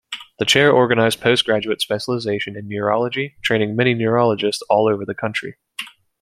The chair organized post-graduate specialization in neurology, training many neurologists all over the country.